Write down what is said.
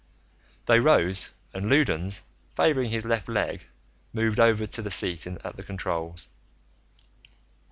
They rose, and Loudons, favoring his left leg, moved over to the seat at the controls.